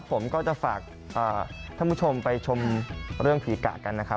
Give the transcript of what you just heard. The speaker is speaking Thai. ผมก็จะฝากท่านผู้ชมไปชมเรื่องผีกะกันนะครับ